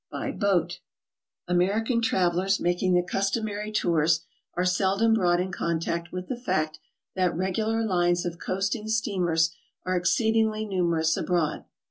BY BOAT. American travelers making the customary tours are sel dom brought in contact with the fact that regular lines of coasting steamers are exceedingly numerous abroad.